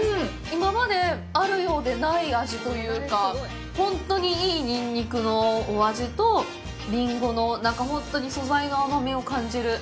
今まであるようでない味というか、ほんとにいいニンニクのお味と、リンゴの、なんかほんとに素材の甘みを感じる。